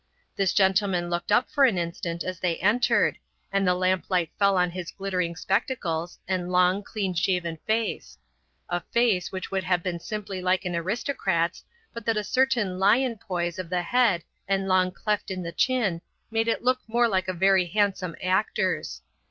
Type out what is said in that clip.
This gentleman looked up for an instant as they entered, and the lamplight fell on his glittering spectacles and long, clean shaven face a face which would have been simply like an aristocrat's but that a certain lion poise of the head and long cleft in the chin made it look more like a very handsome actor's.